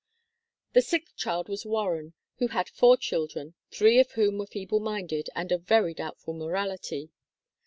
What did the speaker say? The sixth child was Warren, who had four children, three of whom were feeble minded and of very doubtful morality.